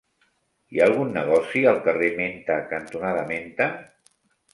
Hi ha algun negoci al carrer Menta cantonada Menta?